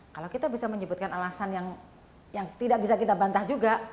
kalau kita bisa menyebutkan alasan yang tidak bisa kita bantah juga